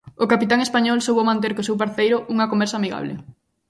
O capitán español soubo manter co seu parceiro unha conversa amigable.